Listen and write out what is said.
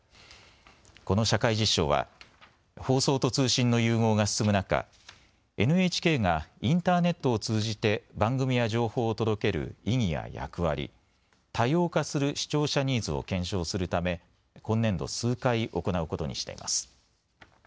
この社会実証は放送と通信の融合が進む中、ＮＨＫがインターネットを通じて番組や情報を届ける意義や役割、多様化する視聴者ニーズを検証するため今年度、数回行うことにしています。